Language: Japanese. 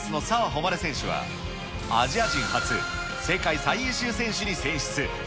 穂希選手は、アジア人初、世界最優秀選手に選出。